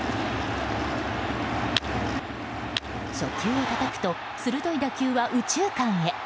初球をたたくと鋭い打球は右中間へ。